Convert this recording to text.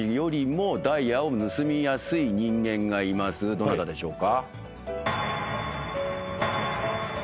どなたでしょうか？